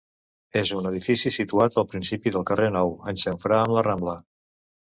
És un edifici situat al principi del carrer Nou, en xamfrà amb la Rambla.